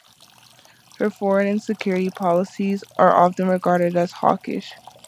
Her foreign and security policies are often regarded as hawkish.